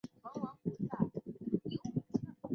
是美国海军的一艘船只。